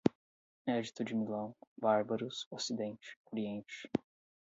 Édito de Milão, bárbaros, ocidente, oriente